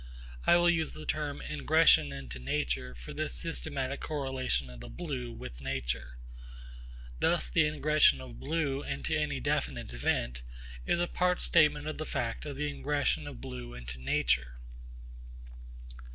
I will use the term 'ingression into nature' for this systematic correlation of the blue with nature. Thus the ingression of blue into any definite event is a part statement of the fact of the ingression of blue into nature.